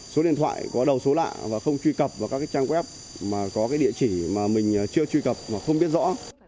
số điện thoại có đầu số lạ và không truy cập vào các trang web mà có cái địa chỉ mà mình chưa truy cập và không biết rõ